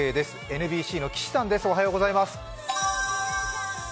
ＮＢＣの岸さんです。